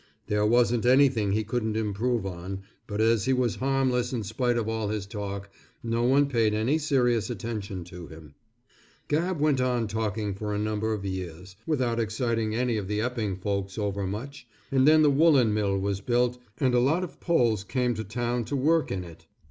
There wasn't anything he couldn't improve on, but as he was harmless in spite of all his talk, no one paid any serious attention to him. Gabb went on talking for a number of years, without exciting any of the Epping folks over much, and then the woolen mill was built, and a lot of Poles came to town to work in it.